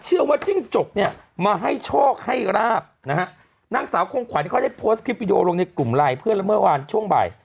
จิ้งจกเนี่ยมาให้โชคให้ราบนะฮะนางสาวคงขวัญเขาได้โพสต์คลิปวิดีโอลงในกลุ่มไลน์เพื่อนแล้วเมื่อวานช่วงบ่าย